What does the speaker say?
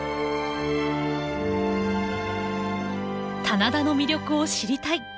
棚田の魅力を知りたい。